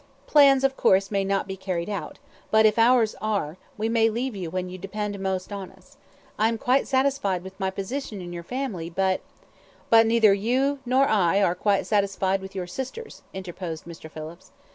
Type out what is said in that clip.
Plans, of course, may not be carried out, but if ours are, we may leave you when you depend most on us. I am quite satisfied with my position in your family, but " "But neither you nor I are quite satisfied with your sister's," interposed Mr. Phillips.